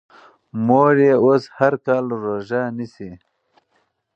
مور یې اوس هر کال روژه نیسي.